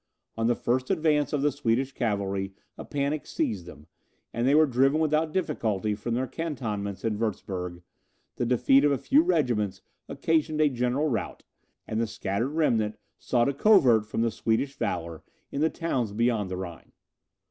On the first advance of the Swedish cavalry a panic seized them, and they were driven without difficulty from their cantonments in Wurtzburg; the defeat of a few regiments occasioned a general rout, and the scattered remnant sought a covert from the Swedish valour in the towns beyond the Rhine.